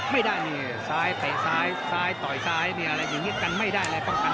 มีสิงชัยจุดะโวงอัมลาสไผลสาราดและนรรินนทรงรัน